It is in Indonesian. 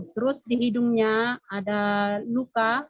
terus di hidungnya ada luka